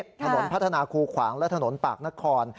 ถนนพัฒนาคูขวางและถนนปากนคร